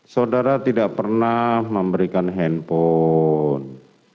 saudara tidak pernah memberikan handphone